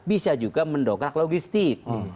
bisa juga mendongkrak logistik